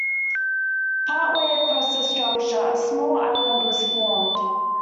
Part way across the structure, a small island was formed.